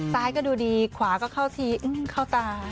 ซ้ายก็ดูดีขวาก็เข้าทีเข้าตา